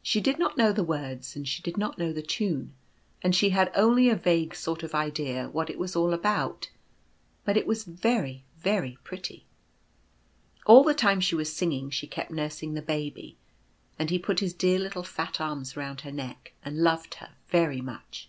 She did not know the words, and she did not know the tune, and she had only a vague sort of idea what it was all about; but it was very, very pretty. All the time she was singing she kept nursing the Baby, and he put his dear little fat arms round her neck, and loved her very much.